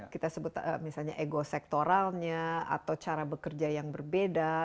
kita sebut misalnya ego sektoralnya atau cara bekerja yang berbeda